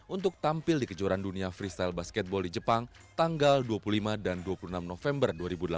untuk tampil di kejuaraan dunia freestyle basketball di jepang tanggal dua puluh lima dan dua puluh enam november dua ribu delapan belas